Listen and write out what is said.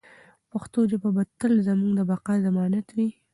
پښتو ژبه به تل زموږ د بقا ضمانت وي.